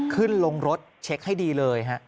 ขึ้นลงรถเช็คให้ดีเลยฮะ